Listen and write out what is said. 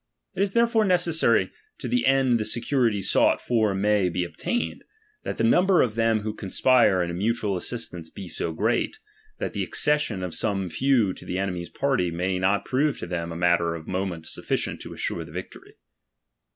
It is therefore necessary, to the end the security sought for may be obtained, that the number of them who conspire in a mutual assistance be so great, that the accession of some few to the enemy's party may not prove to them a matter of moment sufficient to assure the vic tory.